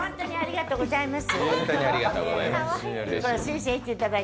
ありがとうございます。